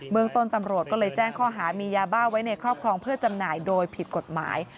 เมืองต้นตำรวจก็เลยแจ้งข้อหามียาบ้าไว้ในครอบครองเพื่อจำหน่ายโดยผิดกฎหมาย